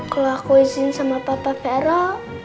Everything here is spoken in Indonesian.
kalau aku isin sama papa vero